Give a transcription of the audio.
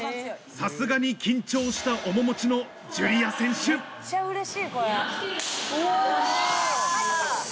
さすがに緊張した面持ちのジュリア選手よし！